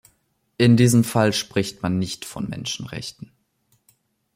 In diesem Fall spricht man nicht von Menschenrechten.